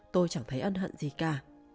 tôi chẳng thấy ân hận gì cả